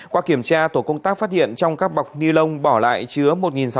qua kiểm tra tổ công tác phát hiện trong các bọc ni lông bỏ lại chứa một sáu